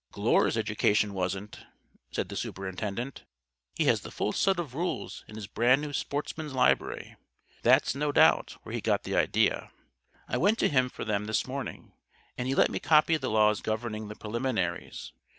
"Glure's education wasn't," said the Superintendent. "He has the full set of rules in his brand new Sportsman Library. That's, no doubt, where he got the idea. I went to him for them this morning, and he let me copy the laws governing the preliminaries.